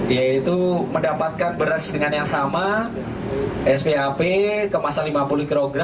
yaitu mendapatkan beras dengan yang sama spap kemasan lima puluh kg